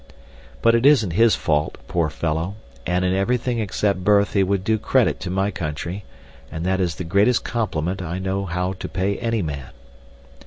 But it isn't his fault, poor fellow, and in everything except birth he would do credit to my country, and that is the greatest compliment I know how to pay any man.